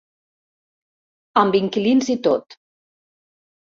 Amb inquilins i tot.